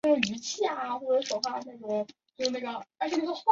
亚祖县伊甸乡间也因龙卷风致使一套移动房屋倒塌。